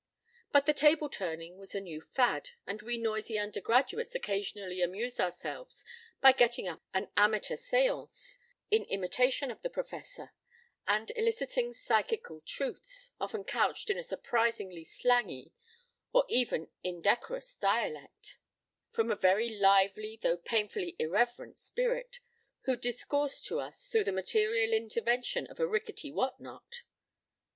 But the table turning was a new fad, and we noisy undergraduates occasionally amused ourselves by getting up an amateur séance, in imitation of the Professor, and eliciting psychical truths, often couched in a surprisingly slangy or even indecorous dialect, from a very lively though painfully irreverent spirit, who discoursed to us through the material intervention of a rickety what not.